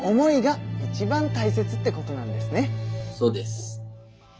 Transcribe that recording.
そうです。